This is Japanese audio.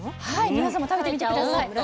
皆さんも食べてみて下さい。